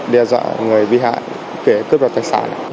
đe dọa người bị hại để cướp đoạt tài sản